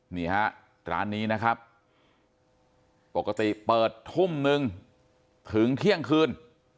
นี่ฮะร้านนี้นะครับปกติเปิดทุ่มนึงถึงเที่ยงคืน